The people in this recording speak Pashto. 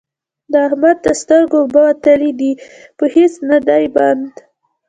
د احمد د سترګو اوبه وتلې دي؛ په هيڅ نه دی بند،